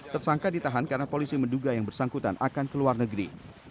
tersangka ditahan karena polisi menduga yang bersangkutan akan ke luar negeri